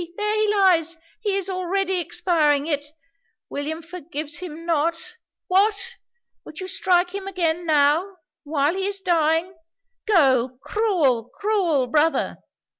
there he lies! he is already expiring! yet William forgives him not! What? would you strike him again? now! while he is dying? Go! cruel, cruel brother!'